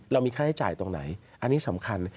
มีค่าใช้จ่ายตรงไหนอันนี้สำคัญ